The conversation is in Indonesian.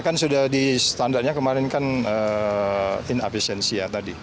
ya kan sudah di standarnya kemarin kan in absentia tadi